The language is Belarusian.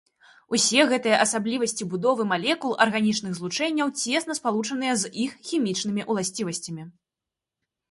Усе гэтыя асаблівасці будовы малекул арганічных злучэнняў цесна спалучаныя з іх хімічнымі ўласцівасцямі.